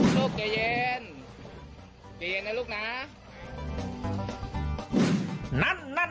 ลูกใจเย็นใจเย็นนะลูกนะ